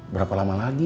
berapa lama lagi